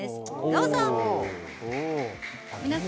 どうぞ。